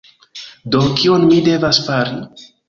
Do, kion mi devas fari?